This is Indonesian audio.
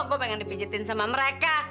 gue pengen dipijitin sama mereka